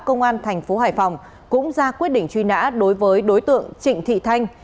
công an thành phố hải phòng cũng ra quyết định truy nã đối với đối tượng trịnh thị thanh